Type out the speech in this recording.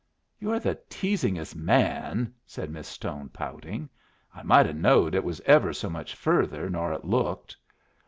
"You're the teasingest man " said Miss Stone, pouting. "I might have knowed it was ever so much further nor it looked."